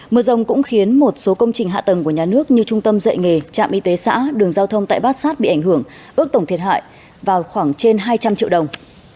mưa rồng cũng khiến một số công trình hạ tầng của nhà nước như trung tâm dạy nghề trạm y tế xã đường giao thông tại bát sát bị ảnh hưởng ước tổng thiệt hại vào khoảng trên hai trăm linh triệu đồng